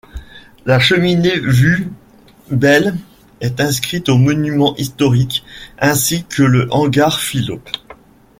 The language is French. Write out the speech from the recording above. La cheminée Vue Belle est inscrite aux Monuments historiques, ainsi que le Hangar Fillod.